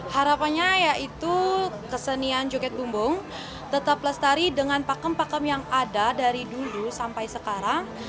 harapannya yaitu kesenian joget bumbung tetap lestari dengan pakem pakem yang ada dari dulu sampai sekarang